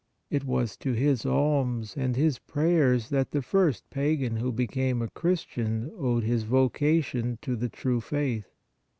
It was to his alms and his prayers that the first pagan who became a Christian owed his vocation to the true faith.